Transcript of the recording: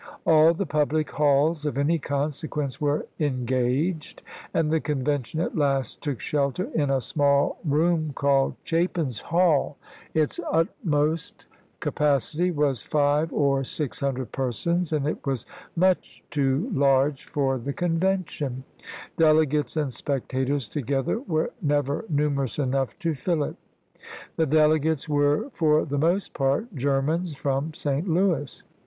All the public halls of any consequence were en gaged, and the Convention at last took shelter in a small room called " Chapin's Hall." Its utmost ca Vol. IX.— 3 34 ABRAHAM LINCOLN chap. ii. pacity was five or six hundred persons, and it was much too large for the Convention ; delegates and spectators together were never numerous enough to fill it. The delegates were for the most part Germans from St. Louis.